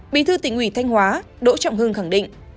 bị thư tỉnh ủy thanh hóa đỗ trọng hương khẳng định